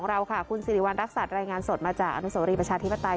เราค่ะคุณศิริวัณรักษาแรกงานสดมาจากอนุโสวรีประชาธิปตัย